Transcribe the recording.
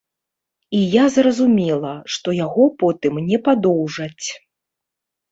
І я зразумела, што яго потым не падоўжаць.